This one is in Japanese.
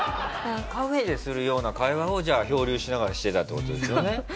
カフェでするような会話をじゃあ漂流しながらしてたって事ですよね？